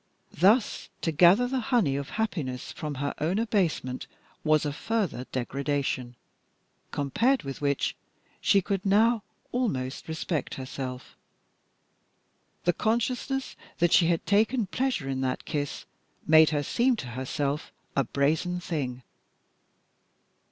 Thus to gather the honey of happiness from her own abasement was a further degradation, compared with which she could now almost respect herself. The consciousness that she had taken pleasure in that kiss made her seem to herself a brazen thing.